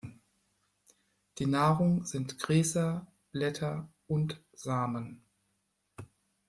Die Nahrung sind Gräser, Blätter und Samen.